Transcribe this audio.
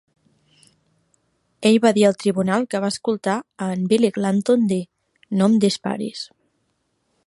Ell va dir al tribunal que va escoltar a en Billy Clanton dir: no em disparis.